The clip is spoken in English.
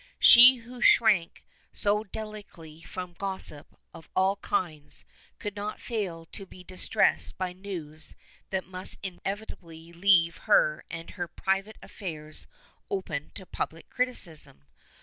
She who shrank so delicately from gossip of all kinds could not fail to be distressed by news that must inevitably leave her and her private affairs open to public criticism.